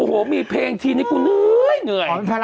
โอ้ฮะนะฮะ